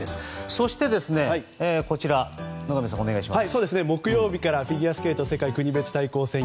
そしてこちら野上さん、お願いします。